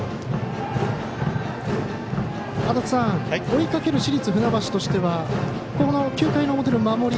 追いかける市立船橋としてはこの９回の表の守り